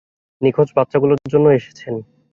নিখোঁজ বাচ্চাগুলোর জন্য এসেছেন।